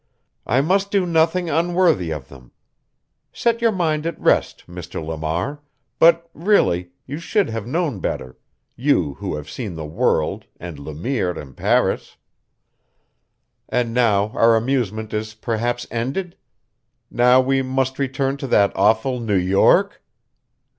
I must do nothing unworthy of them. Set your mind at rest, Mr. Lamar; but, really, you should have known better you who have seen the world and Le Mire in Paris! And now our amusement is perhaps ended? Now we must return to that awful New York?